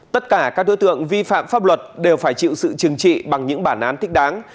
tất cả các đối tượng vi phạm pháp luật đều phải chịu sự trừng trị bằng những bản án thích đáng